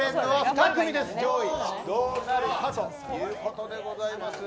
どうなるかということでございます。